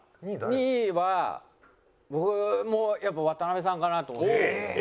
２位は僕もやっぱ渡辺さんかなと思って。